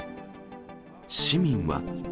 市民は。